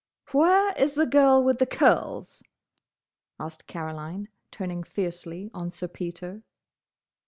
"Where is the girl with the curls?" asked Caroline, turning fiercely on Sir Peter.